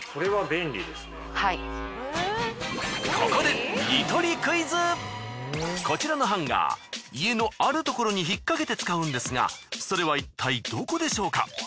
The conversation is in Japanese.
ここでこちらのハンガー家のあるところに引っかけて使うんですがそれはいったいどこでしょうか？